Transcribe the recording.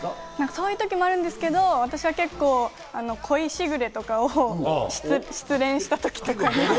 そういう時もあるんですけど、私は結構、『恋時雨』とかを失恋したときとかに。